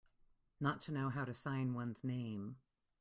Not to know how to sign one's name.